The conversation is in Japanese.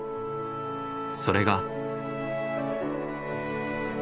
それが。